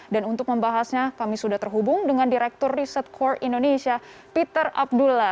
dan untuk membahasnya kami sudah terhubung dengan direktur research corps indonesia peter abdullah